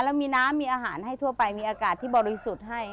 แล้วมีน้ำมีอาหารให้ทั่วไปมีอากาศที่บริสุทธิ์ให้